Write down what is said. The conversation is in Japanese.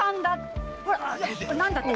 何だって？